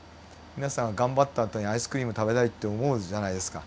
皆さん頑張ったあとにアイスクリーム食べたいって思うじゃないですか。